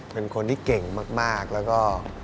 เป็นคนที่เก่งมากแล้วก็